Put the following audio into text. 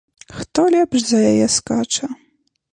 Хто лепш за яе скача!